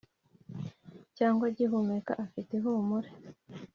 Cyangwa agihumeka afite ihumure.